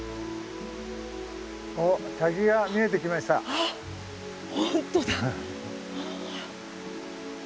あっ本当だ。